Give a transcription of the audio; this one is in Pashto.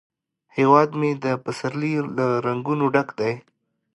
هیواد مې د پسرلي له رنګونو ډک دی